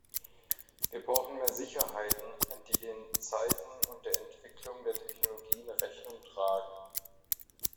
Wir brauchen mehr Sicherheiten, die den Zeiten und der Entwicklung der Technologien Rechnung tragen.